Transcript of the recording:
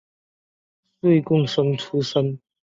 岁贡生出身。